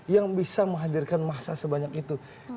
yang bisa menghadirkan massa sebanyak itu